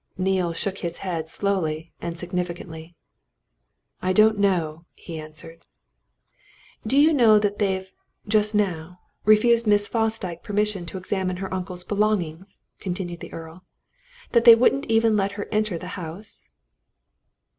Neale shook his head slowly and significantly. "I don't know," he answered. "Do you know that they've just now refused Miss Fosdyke permission to examine her uncle's belongings?" continued the Earl. "That they wouldn't even let her enter the house?"